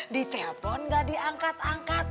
di telpon gak diangkat angkat